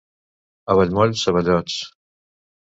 A Vallmoll, ceballots.